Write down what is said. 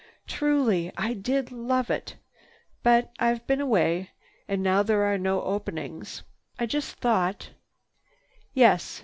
Truly, I did love it. But I've been away. And now there are no openings. I just thought—" "Yes."